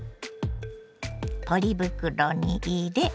ポリ袋に入れ